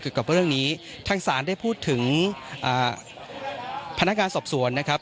กับเรื่องนี้ทางศาลได้พูดถึงพนักงานสอบสวนนะครับ